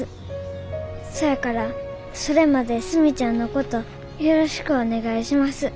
そやからそれまでスミちゃんのことよろしくおねがいします。